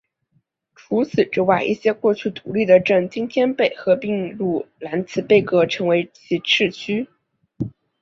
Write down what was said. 除此之外一些过去独立的镇今天被合并入兰茨贝格成为其市区。